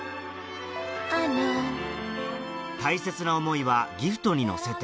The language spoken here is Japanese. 大切な思いはギフトに乗せて